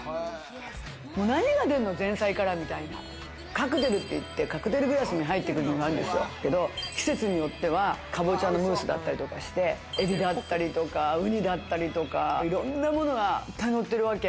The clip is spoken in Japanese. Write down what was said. カクテルって言って、カクテルグラスに入ってるのがあるんですけれど、季節によってはかぼちゃのムースだったりとかして、エビだったりとか、ウニだったりとか、いろんなものがのってるわけ。